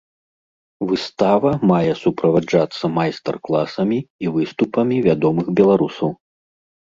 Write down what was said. Выстава мае суправаджацца майстар-класамі і выступамі вядомых беларусаў.